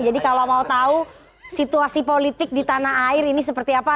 jadi kalau mau tahu situasi politik di tanah air ini seperti apa